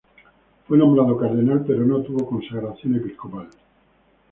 Fue nombrado cardenal pero no tuvo consagración episcopal.